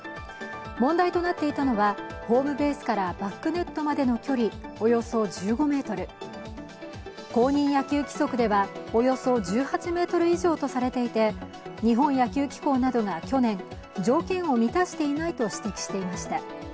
問題となっていたのはホームベースからバックネットまでの距離およそ１５ｍ公認野球規則では、およそ１８ｍ以上とされていて、日本野球機構などが去年条件を満たしていないと指摘していました。